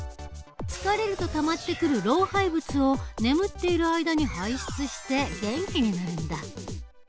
疲れるとたまってくる老廃物を眠っている間に排出して元気になるんだ。